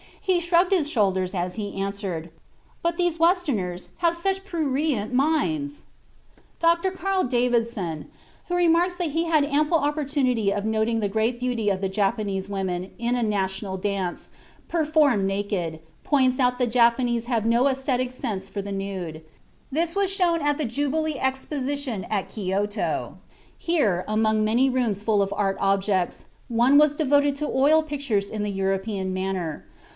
He shrugged his shoulders as he answered: 'But these Westerns have such prurient minds!'" (Mitford, Tales of Old Japan, 1871.) Dr. Carl Davidsohn, who remarks that he had ample opportunity of noting the great beauty of the Japanese women in a national dance, performed naked, points out that the Japanese have no æsthetic sense for the nude. "This was shown at the Jubilee Exposition at Kyoto. Here, among many rooms full of art objects, one was devoted to oil pictures in the European manner.